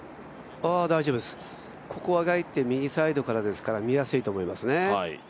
ああ、大丈夫です、ここはかえって右サイドからですから見やすいと思いますね。